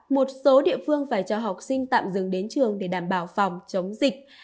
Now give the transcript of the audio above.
một số địa phương phải cho học sinh tạm dừng đến trường để đảm bảo phòng chống dịch